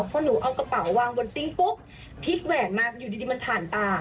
พอหนูเอากระเป๋าวางบนซิ้งปุ๊บพลิกแหวนมาอยู่ดีมันผ่านตา